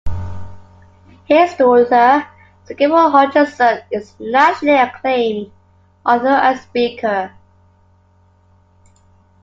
His daughter Sikivu Hutchinson is a nationally acclaimed author and speaker.